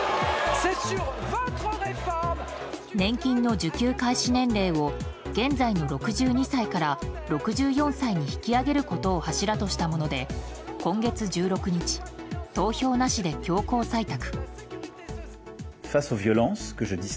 年金の受給開始年齢を現在の６２歳から６４歳に引き上げることを柱としたもので今月１６日投票なしで強行採択。